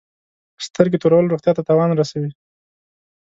سترګي تورول روغتیا ته تاوان رسوي.